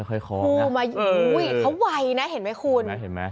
ค่อยคล้องนะโอ้ยเขาไวนะเห็นไหมคุณ